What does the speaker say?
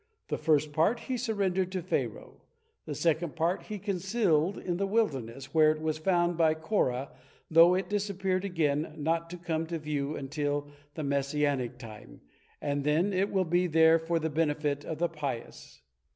The first part he surrendered to Pharaoh. The second part he concealed in the wilderness, where it was found by Korah, though it disappeared again, not to come to view until the Messianic time, and then it will be for the benefit of the pious.